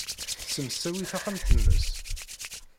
Tessemsawi taxxamt-nnes.